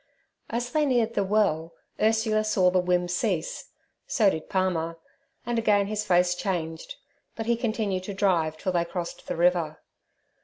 As they neared the well Ursula saw the wim cease; so did Palmer, and again his face changed, but he continued to drive till they crossed the river.